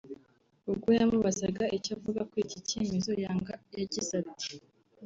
ubwo yamubazaga icyo avuga kuri iki cyemezo Yanga yagize ati